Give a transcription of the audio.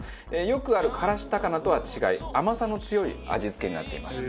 よくある辛子高菜とは違い甘さの強い味付けになっています。